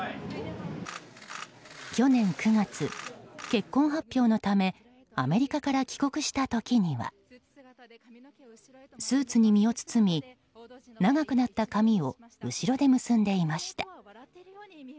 去年９月、結婚発表のためアメリカから帰国した時にはスーツに身を包み長くなった髪を後ろで結んでいました。